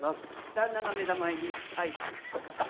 旦那の目玉入りアイス。